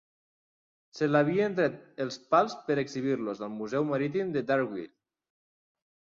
Se l' havien tret els pals per exhibir-los al museu marítim de Dargaville.